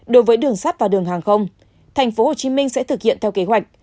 đối với đường sắt và đường hàng không tp hcm sẽ thực hiện theo kế hoạch